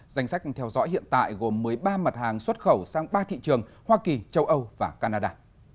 danh sách theo dõi hiện tại gồm một mươi ba mặt hàng xuất khẩu sang ba thị trường hoa kỳ châu âu và canada